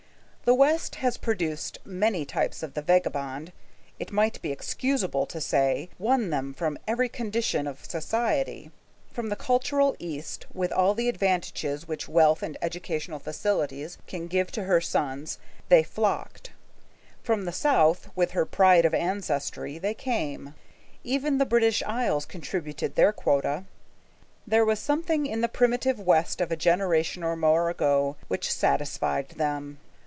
The West has produced many types of the vagabond, it might be excusable to say, won them from every condition of society. From the cultured East, with all the advantages which wealth and educational facilities can give to her sons, they flocked; from the South, with her pride of ancestry, they came; even the British Isles contributed their quota. There was something in the primitive West of a generation or more ago which satisfied them.